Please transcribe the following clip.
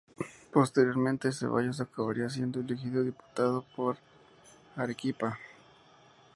Posteriormente, Zeballos acabaría siendo elegido diputado por Arequipa.